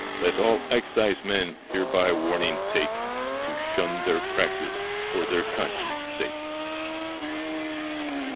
Let all Excisemen hereby warning take, To shun their practice for their conscience sake.